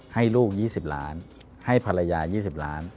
ให้ลูก๒๐ล้านให้ภรรยา๒๐ล้าน